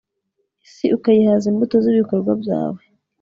isi ukayihaza imbuto z'ibikorwa byawe